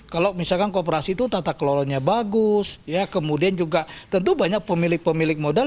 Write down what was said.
kalau misalkan kooperasi itu tata kelolanya bagus ya kemudian juga tentu banyak pemilik pemilik modal